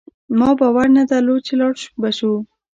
ما باور نه درلود چي لاړ به شو